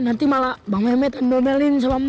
nanti malah bang mehmet endomelin sama ma